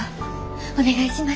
お願いします。